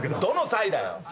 どの際だよ。